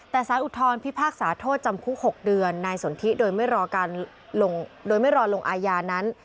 แต่ศาลอุทธรณ์พิพากษาโทษจำคุก๖เดือนนายสนทิโดยไม่รอลงอายานั้น